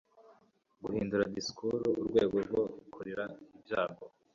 Guhindura disikuru urwego rwo kurira ibyago